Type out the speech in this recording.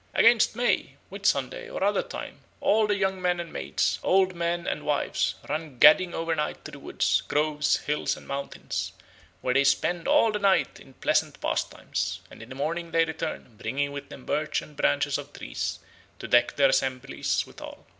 "Against May, Whitsonday, or other time, all the yung men and maides, olde men and wives, run gadding over night to the woods, groves, hils, and mountains, where they spend all the night in plesant pastimes; and in the morning they return, bringing with them birch and branches of trees, to deck their assemblies withall.